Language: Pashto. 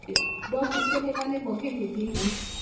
دا پوښتنې ولې مهمې دي؟